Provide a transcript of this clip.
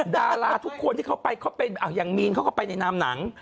ดาลาทุกคนที่เข้าไปเขาเป็นอย่างอัธิบาทน่ามหลัง